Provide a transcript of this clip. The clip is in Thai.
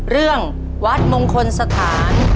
เรื่องวัดมงคลสถาน